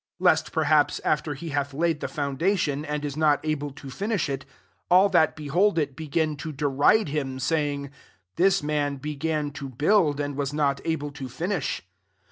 29 Lest perhaps, after he hath laid the Wndation, and is not able to finish fV, all that behold fV, begin to deride him, 30 saying, * This man began to build, and was not able to finish.'